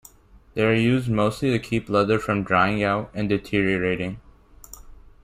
They are used mostly to keep leather from drying out and deteriorating.